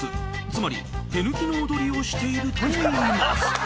つまり手抜きの踊りをしているといいます。